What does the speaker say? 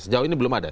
sejauh ini belum ada